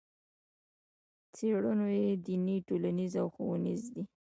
خپرونې یې دیني ټولنیزې او ښوونیزې دي.